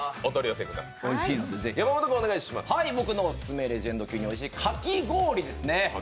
僕のオススメレジェンド級においしい、かき氷ですね。